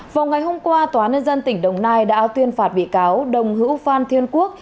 vào ngày hôm qua tòa nê dân tỉnh đồng nai đã tuyên phạt bị cáo đồng hữu phan thiên quốc